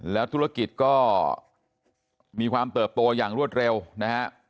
แล้วธุรกิจก็มีความเติบโตอย่างรวดเร็วนะฮะ